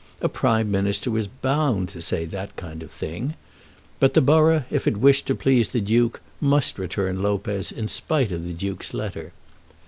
A Prime Minister was bound to say that kind of thing! But the borough, if it wished to please the Duke, must return Lopez in spite of the Duke's letter.